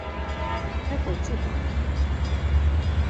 Heǩo ç̌ut̆ai?